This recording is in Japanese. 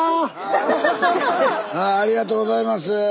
ありがとうございます。